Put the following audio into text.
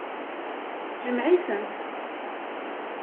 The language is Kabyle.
Jmeɛ-itent.